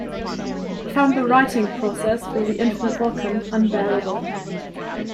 He found the writing process for "The Infinite Vulcan" "unbearable".